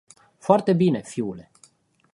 Foarte bine, fiule.